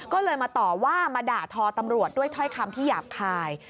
ก็เลยมาต่อว่ามาด่าทอตำรวจด้วยถ้อยคำที่หยาบคาย